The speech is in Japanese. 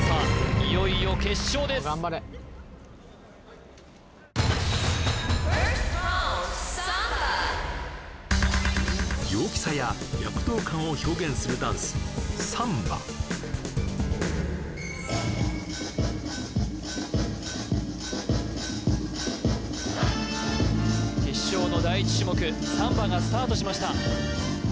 いよいよ決勝です陽気さや躍動感を表現するダンスサンバ決勝の第１種目サンバがスタートしました